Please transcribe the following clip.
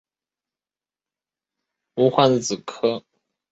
深灰槭为无患子科槭属的植物。